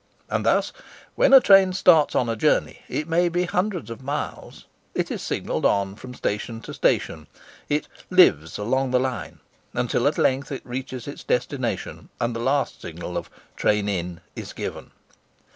And thus, when a train starts on a journey, it may be of hundreds of miles, it is signalled on from station to station—it "lives along the line,"—until at length it reaches its destination and the last signal of "train in" is given.